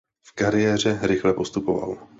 V kariéře rychle postupoval.